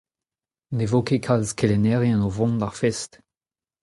Ne vo ket kalz kelennerien o vont d'ar fest.